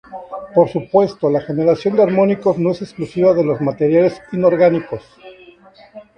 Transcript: Por supuestos la generación de armónicos no es exclusiva de los materiales inorgánicos.